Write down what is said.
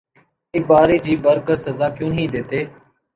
اک بار ہی جی بھر کے سزا کیوں نہیں دیتے